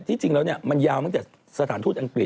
จริงแล้วมันยาวตั้งแต่สถานทูตอังกฤษ